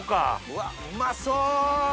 うわっうまそ！